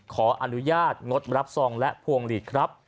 ขออนุญาตงดรับซองและพวงหลีดครับ